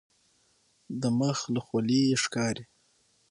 د مخ له خولیې یې ښکاري.